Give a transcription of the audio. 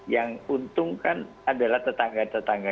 yang untung kan adalah tetangga tetangga